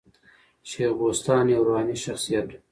شېخ بُستان یو روحاني شخصیت وو.